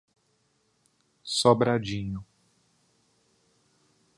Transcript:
Sobradinho